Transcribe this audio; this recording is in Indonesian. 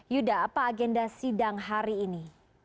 yuda apa agenda sidang hari ini